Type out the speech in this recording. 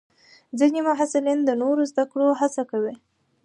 ځینې محصلین د نوو زده کړو هڅه کوي.